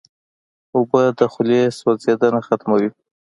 اوبه د خولې سوځېدنه ختموي.